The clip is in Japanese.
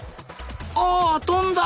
あ飛んだ！